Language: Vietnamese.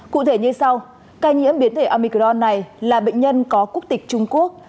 cụ thể như sau ca nhiễm biến thể amicron này là bệnh nhân có quốc tịch trung quốc